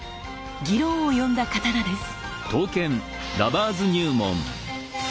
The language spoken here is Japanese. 議論を呼んだ刀です。